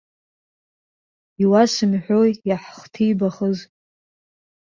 Иуасымҳәои иаҳхҭибахыз.